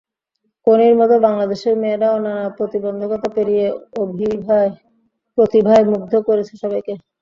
কোনির মতো বাংলাদেশের মেয়েরাও নানা প্রতিবন্ধকতা পেরিয়ে প্রতিভায় মুগ্ধ করছে সবাইকে।